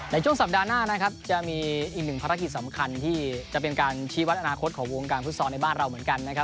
ในช่วงสัปดาห์หน้านะครับจะมีอีกหนึ่งภารกิจสำคัญที่จะเป็นการชี้วัดอนาคตของวงการฟุตซอลในบ้านเราเหมือนกันนะครับ